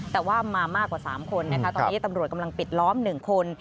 แต่ว่ามามากกว่า๓คนนะคะตอนนี้ตำรวจกำลังปิดล้อม๑คน